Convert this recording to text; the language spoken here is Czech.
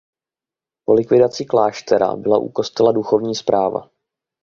Po likvidaci kláštera byla u kostela duchovní správa.